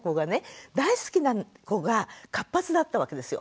大好きな子が活発だったわけですよ。